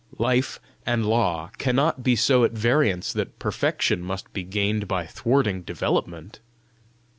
Life and law cannot be so at variance that perfection must be gained by thwarting development!